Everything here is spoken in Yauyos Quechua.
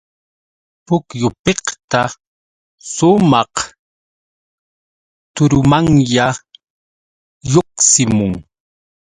Pukyupiqta sumaq turumanya lluqsimun.